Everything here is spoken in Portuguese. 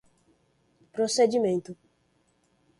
procedimento